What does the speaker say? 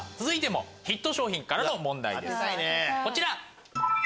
続いてもヒット商品からの問題ですこちら。